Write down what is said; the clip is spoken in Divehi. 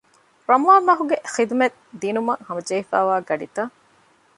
ރަމަޟާންމަހު ޚިދުމަތް ދިނުމަށް ހަމަޖެހިފައިވާ ގަޑިތައް